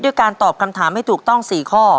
การตอบคำถามให้ถูกต้อง๔ข้อ